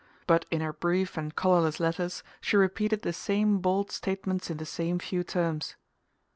But in her brief and colourless letters she repeated the same bald statements in the same few terms.